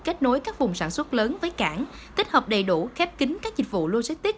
kết nối các vùng sản xuất lớn với cảng tích hợp đầy đủ khép kính các dịch vụ logistics